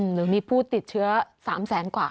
หรือมีผู้ติดเชื้อ๓แสนกว่า